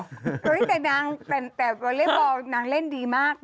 เฮ้ยแต่นางแต่วอเล็กบอลนางเล่นดีมาก